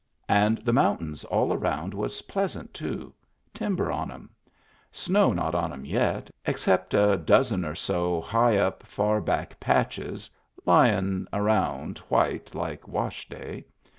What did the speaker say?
And the mountains all around was pleas ant too — timber on 'em. Snow not on 'em yet» except a dozen or so high up, far back patches^ lyin' around white like wash day.